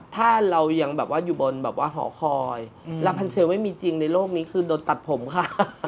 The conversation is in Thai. ถ้าเรายังอยู่บนหอคอยแล้วพันธุ์เซลล์ไม่มีจริงในโลกนี้คือโดนตัดผมค่ะ